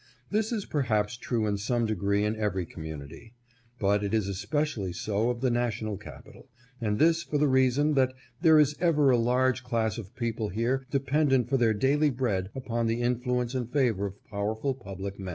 This is perhaps true in some degree in every community ; but it is especially so of the national capital, and this for the reason that there is ever a large class of people here dependent for their daily bread upon the influence and favor of powerful public men.